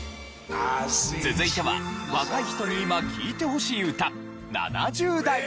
続いては若い人に今聴いてほしい歌７０代編。